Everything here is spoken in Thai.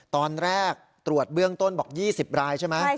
ตอนแรกตรวจเบื้องต้นบอก๒๐รายใช่ไหม